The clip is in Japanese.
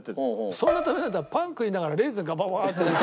そんな食べたいんだったらパン食いながらレーズンガバガバッと入れて。